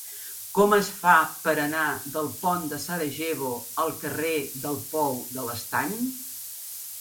Com es fa per anar del pont de Sarajevo al carrer del Pou de l'Estany?